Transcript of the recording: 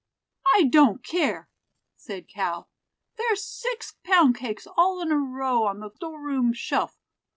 "I don't care," said Cal. "There's six pound cakes all in a row on the store room shelf.